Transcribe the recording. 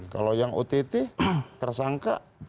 kalau yang ott tersangka